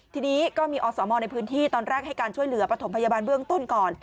ทีนี้ก็มีอสมในพื้นที่ตอนแรกให้การช่วยเหลือประถมพยาบาลเบื้องต้นก่อน